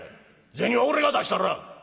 銭は俺が出したら」。